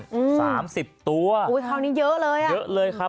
อืมสามสิบตัวอุ้ยคราวนี้เยอะเลยอ่ะเยอะเลยครับ